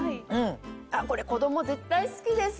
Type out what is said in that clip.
これ子供絶対好きです。